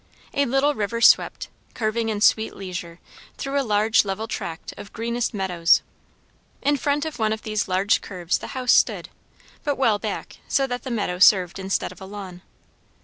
A little river swept, curving in sweet leisure, through a large level tract of greenest meadows. In front of one of these large curves the house stood, but well back, so that the meadow served instead of a lawn.